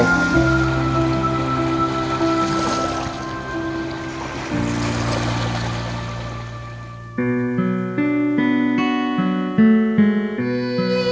แล้วก็ไป